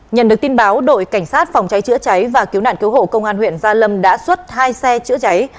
nhận được tin báo đội cảnh sát phòng cháy chữa cháy và cứu nạn cứu hộ công an huyện gia lâm đã xuất hai xe chữa cháy